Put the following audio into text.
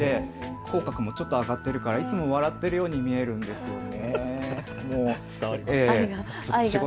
口角もちょっと上がっているからいつも笑っているように見えるんですよね。